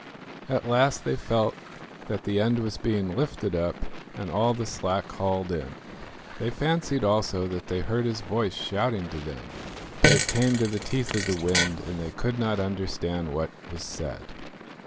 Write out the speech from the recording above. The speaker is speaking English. At last they felt that the end was being lifted up, and all the slack hauled in. They fancied also that they heard his voice shouting to them; but it came to the teeth of the wind, and they could not understand what was said.